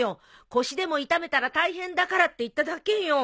腰でも痛めたら大変だからって言っただけよ。